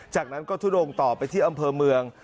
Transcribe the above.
จากนั้นก็ทุดงต่อไปที่อำเภอเมือง